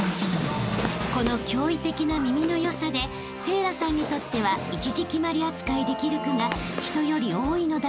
［この驚異的な耳の良さで聖蘭さんにとっては１字決まり扱いできる句が人より多いのだとか］